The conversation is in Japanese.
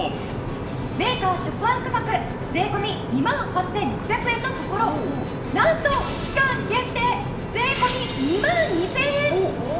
メーカー直販価格税込２万８６００円のところなんと期間限定税込２万２０００円。